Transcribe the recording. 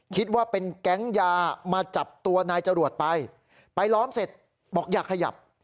คิดว่าเป็นแก๊งยามาจับตัวนายจรวดไปไปล้อมเสร็จบอกอย่าขยับ